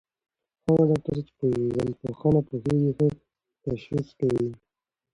هغه ډاکټر چي په ژوندپوهنه پوهېږي، ښه تشخیص کوي.